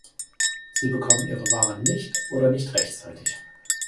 Sie bekommen ihre Waren nicht oder nicht rechtzeitig.